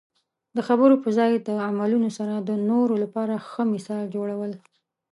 د خبرو په ځای د عملونو سره د نورو لپاره ښه مثال جوړول.